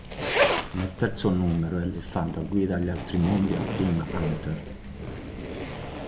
Nel terzo numero egli fa da guida agli altri mondi a Tim Hunter.